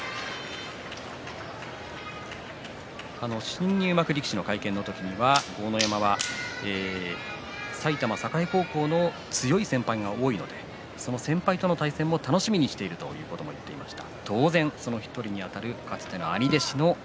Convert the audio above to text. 新入幕力士の会見の時には豪ノ山は埼玉栄高校の強い先輩が多いのでその先輩との対戦も楽しみにしているという話をしました。